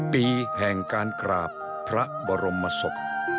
ปีแห่งการกราบพระบรมศพ